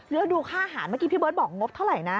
แล้วดูค่าอาหารเมื่อกี้พี่เบิร์ตบอกงบเท่าไหร่นะ